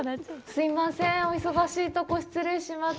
すいません、お忙しいところ、失礼します。